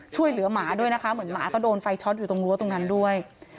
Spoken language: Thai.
ช่วยเหลือหมาด้วยนะคะเหมือนหมาก็โดนไฟช็อตอยู่ตรงรั้วตรงนั้นด้วย